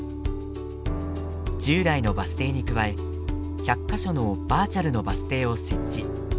従来のバス停に加え１００か所のバーチャルのバス停を設置。